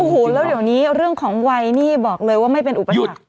โอ้โหแล้วเดี๋ยวนี้เรื่องของวัยนี่บอกเลยว่าไม่เป็นอุปสรรค